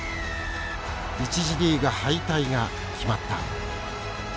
１次リーグ敗退が決まった。